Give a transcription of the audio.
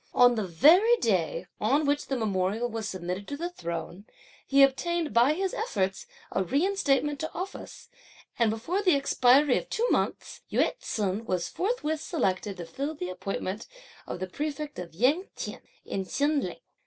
On the very day on which the memorial was submitted to the Throne, he obtained by his efforts, a reinstatement to office, and before the expiry of two months, Yü t'sun was forthwith selected to fill the appointment of prefect of Ying T'ien in Chin Ling.